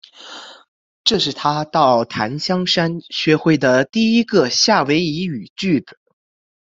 这是他到檀香山学会的第一个夏威夷语句子。